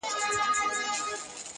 په دنیا کي « اول ځان پسې جهان دی »،